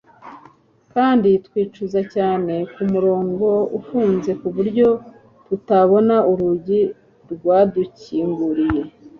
kandi twicuza cyane kumuryango ufunze kuburyo tutabona urugi rwadukinguriye